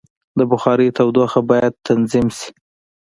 د بخارۍ تودوخه باید تنظیم شي.